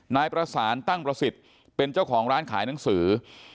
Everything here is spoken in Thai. นายประสานตั้งประสิทธิ์เป็นเจ้าของร้านขายหนังสือ